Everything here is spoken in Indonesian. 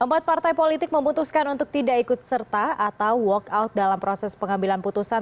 empat partai politik memutuskan untuk tidak ikut serta atau walk out dalam proses pengambilan putusan